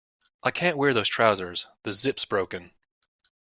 I can't wear those trousers; the zip’s broken